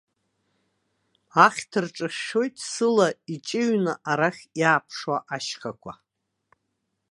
Ахьҭа рҿышәшәоит сыла иҷыҩны арахь иааԥшуа ашьхақәа.